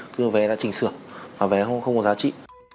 như vé đã trình sửa và vé không có giá trị